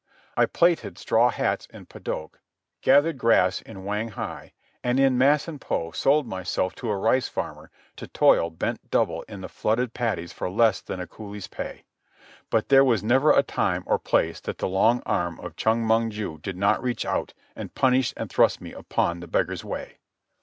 I plaited straw hats in Padok, gathered grass in Whang hai, and in Masenpo sold myself to a rice farmer to toil bent double in the flooded paddies for less than a coolie's pay. But there was never a time or place that the long arm of Chong Mong ju did not reach out and punish and thrust me upon the beggar's way.